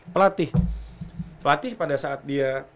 pelatih pelatih pada saat dia